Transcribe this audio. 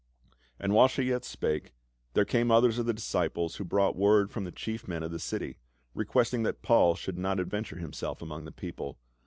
And while she yet spake, there came others of the disciples who brought word from the chief men of the city, requesting that Paul should not adventure him self among the people.